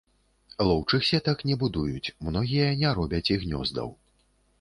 Лоўчых сетак не будуюць, многія не робяць і гнёздаў.